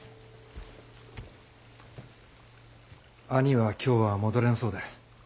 兄は今日は戻れんそうで申し訳ない。